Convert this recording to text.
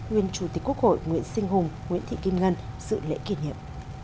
ủy viên chủ tịch quốc hội nguyễn sinh hùng nguyễn thị kim ngân sự lễ kỷ niệm